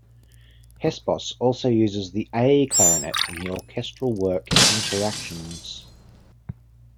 Hespos also uses the A clarinet in the orchestral work "Interactions".